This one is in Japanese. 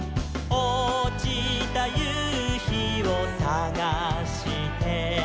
「おちたゆうひをさがして」